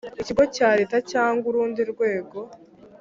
ikigo cya Leta cyangwa urundi rwego